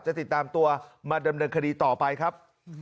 ติดตามตัวมาดำเนินคดีต่อไปครับ